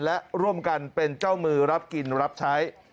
และร่วมกันเป็นเจ้ามือรับกินรับใช้